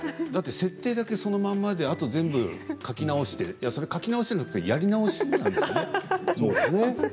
だって設定だけそのまんまであとは全部書き直していやそれ、書き直しじゃなくてやり直しなんですよね。